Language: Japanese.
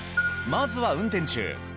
まずは運転中。